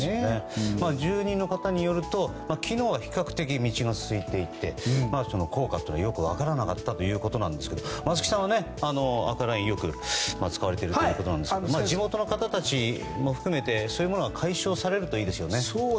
住人の方によると昨日は比較的道が空いていて効果というのはよく分からなかったということですが松木さんはアクアラインをよく使われているということで地元の方たちも含めてそういうものが解消されるといいですよね。